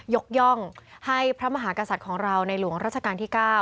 ยกย่องให้พระมหากษัตริย์ของเราในหลวงราชการที่๙